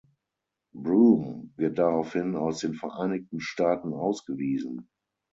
Broome wird daraufhin aus den Vereinigten Staaten ausgewiesen.